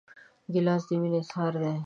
ګیلاس د مینې اظهار دی.